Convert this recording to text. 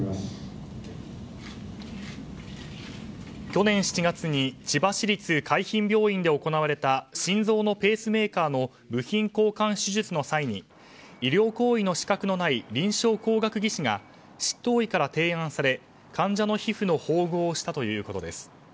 去年７月に千葉市立海浜病院で行われた心臓のペースメーカーの部品交換手術の際に医療行為の資格のない臨床工学技士が執刀医から提案され患者の皮膚の縫合をしたということです。